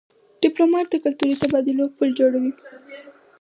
ډيپلومات د کلتوري تبادلو پل جوړوي.